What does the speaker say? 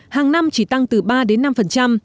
hàng năm chỉ tăng từ ba đến năm